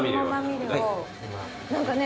何かね